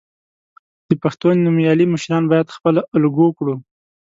د پښتو نومیالي مشران باید خپله الګو کړو.